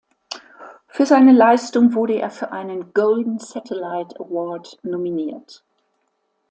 Für seine Leistung wurde er für einen Golden Satellite Award nominiert.